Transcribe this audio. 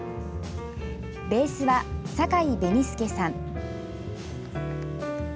ベースは坂井紅介さん。